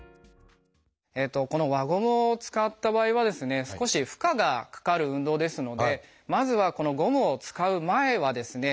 この輪ゴムを使った場合はですね少し負荷がかかる運動ですのでまずはこのゴムを使う前はですね